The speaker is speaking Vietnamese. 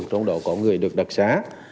trong đó có người được đặc sá